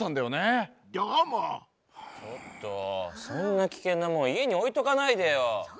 そんなきけんなもんいえにおいとかないでよ！